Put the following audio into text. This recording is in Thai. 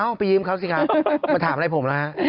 อ้าวไปยืมเขาสิค่ะมาถามอะไรผมล่ะ